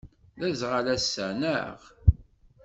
D aẓɣal ass-a, naɣ?